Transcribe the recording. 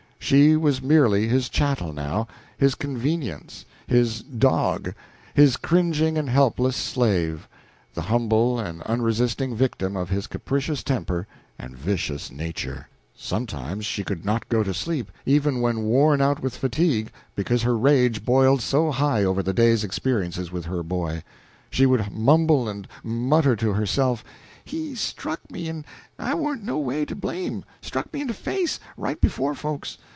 She was merely his chattel, now, his convenience, his dog, his cringing and helpless slave, the humble and unresisting victim of his capricious temper and vicious nature. Sometimes she could not go to sleep, even when worn out with fatigue, because her rage boiled so high over the day's experiences with her boy. She would mumble and mutter to herself "He struck me, en I warn't no way to blame struck me in de face, right before folks.